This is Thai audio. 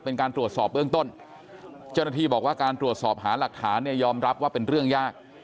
เป็นการตรวจสอบเบื้องต้นเจ้าหน้าที่บอกว่าการตรวจสอบหาหลักฐานเนี่ยยอมรับว่าเป็นเรื่องยาก